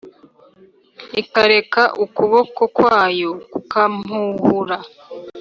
ikareka ukuboko kwayo kukampuhura